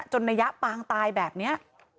นัยยะปางตายแบบนี้